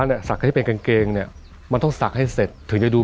สักให้เป็นกางเกงเนี่ยมันต้องสักให้เสร็จถึงจะดู